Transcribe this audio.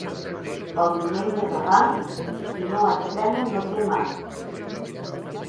Pel diumenge de Rams, qui no estrena no té mans.